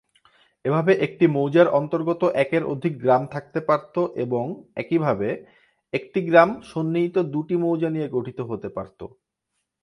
এভাবে একটি মৌজার অন্তর্গত একের অধিক গ্রাম থাকতে পারত এবং একইভাবে, একটি গ্রাম সন্নিহিত দুটি মৌজা নিয়ে গঠিত হতে পারত।